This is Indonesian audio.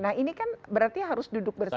nah ini kan berarti harus duduk bersama